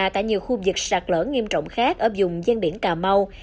tại nhiều khu vực sạt lở nghiêm trọng khác ở dùng gian biển cà mau